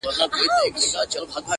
سرې لمبې په غېږ کي ګرځولای سي؛